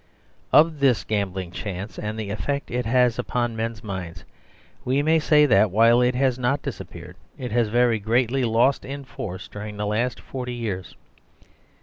Of this gambling chance and the effect it has upon men's minds we may say that, while it has not dis appeared, it has very greatly lost in force during the last forty years.